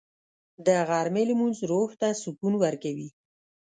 د غرمې لمونځ روح ته سکون ورکوي